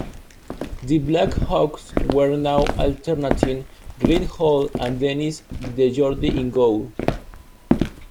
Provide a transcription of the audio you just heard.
The Black Hawks were now alternating Glenn Hall and Denis DeJordy in goal.